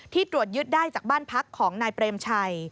ตรวจยึดได้จากบ้านพักของนายเปรมชัย